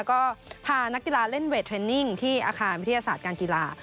ก็พานักกีฬาเล่นเวทเทรนนิ่งที่อาคารวิทยาศาสตร์การกีฬา